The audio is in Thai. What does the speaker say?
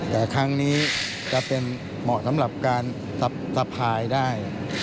แต่ครั้งนี้จะเป็นเหมาะสำหรับการสะพายได้